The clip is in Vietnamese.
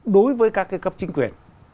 đối với các cái cấp chính quyền